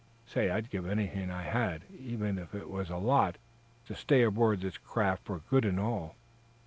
Say, I'd give anything I had, even if it was a lot, to stay aboard this craft for good and all."